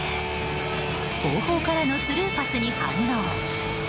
後方からのスルーパスに反応。